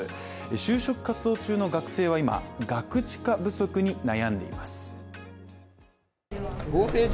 就職活動中の学生は今、ガクチカ不足に悩んでいます。